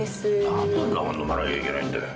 何でんなもん飲まなきゃいけないんだよ。